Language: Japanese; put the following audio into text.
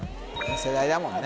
世代だもんね